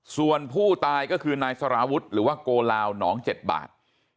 ส่วนผู้ตายก็คือนายสารวุฒิหรือว่าโกลาวหนอง๗บาท